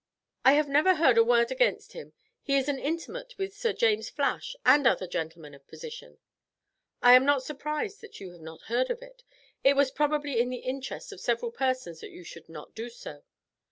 "I have never heard a word against him; he is intimate with Sir James Flash and other gentlemen of position." "I am not surprised, that you have not heard of it; it was probably to the interest of several persons that you should not do so.